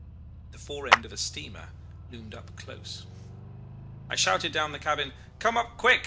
The fore end of a steamer loomed up close. I shouted down the cabin, 'Come up, quick!